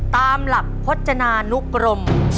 ตามหลักพจนานุกรม